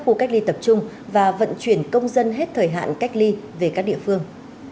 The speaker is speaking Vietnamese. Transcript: khu cách ly tập trung và vận chuyển công dân hết thời hạn cách ly về các địa phương